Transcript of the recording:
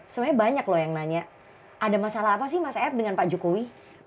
sebenarnya banyak loh yang nanya ada masalah apa sih mas ed dengan pak jokowi